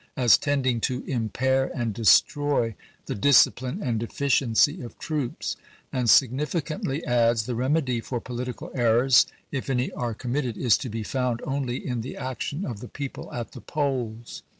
as tending " to impair and destroy the disciphne y^ ^^ and efficiency of troops "; and significantly adds, pj.'^ggg^gijc. " the remedy for political errors, if any are com mitted, is to be found only in the action of the people at the polls."